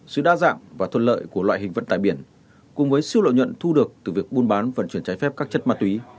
sự đa dạng và thuận lợi của loại hình vận tải biển cùng với siêu lợi nhuận thu được từ việc buôn bán vận chuyển trái phép các chất ma túy